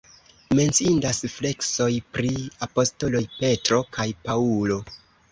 Menciindas freskoj pri apostoloj Petro kaj Paŭlo.